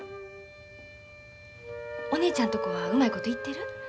お姉ちゃんとこはうまいこといってる？